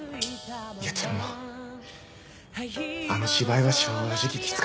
いやでもあの芝居は正直きつかったです。